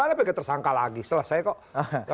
ada pki tersangka lagi selesai kok